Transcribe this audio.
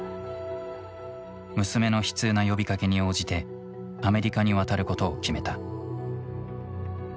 娘の悲痛な呼びかけに応じてアメリカに渡ることを決めた。